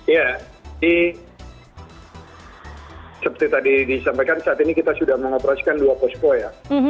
ya seperti tadi disampaikan saat ini kita sudah mengoperasikan dua post base ya